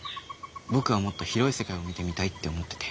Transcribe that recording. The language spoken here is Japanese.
僕はもっと広い世界を見てみたいって思ってて。